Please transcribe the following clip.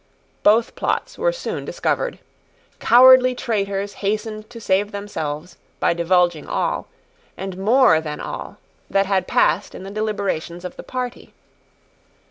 Both plots were soon discovered. Cowardly traitors hastened to save themselves, by divulging all, and more than all, that had passed in the deliberations of the party.